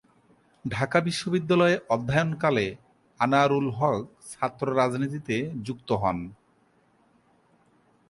ঢাকা বিশ্ববিদ্যালয়ে অধ্যয়নকালে আনোয়ারুল হক ছাত্র রাজনীতিতে যুক্ত হন।